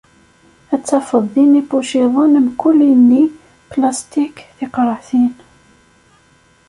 Ad tafeḍ din ipuciḍen mkul ini, plastik, tiqraɛtin.